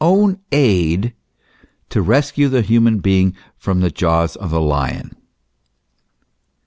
own aid to rescue the human being from the jaws of the lion